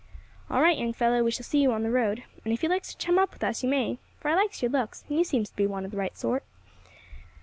"All right, young fellow; we shall see you on the road, and if you likes to chum up with us you may, for I likes yer looks, and you seems to be one of the right sort."